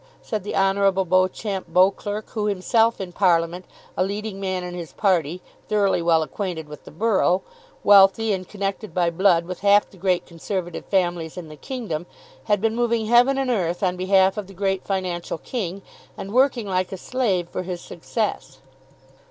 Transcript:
said the Honourable Beauchamp Beauclerk, who, himself in Parliament, a leading man in his party, thoroughly well acquainted with the borough, wealthy and connected by blood with half the great Conservative families in the kingdom, had been moving heaven and earth on behalf of the great financial king, and working like a slave for his success.